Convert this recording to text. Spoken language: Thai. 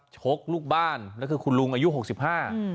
ชกลูกบ้านแล้วคือคุณลุงอายุหกสิบห้า